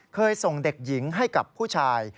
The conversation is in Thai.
เคยส่งเด็กหญิงให้กับผู้ชาย